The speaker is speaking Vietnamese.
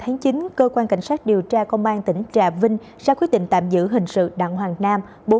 ngày một mươi tháng chín cơ quan cảnh sát điều tra công an tp hcm sẽ quyết định tạm giữ hình sự đảng hoàng nam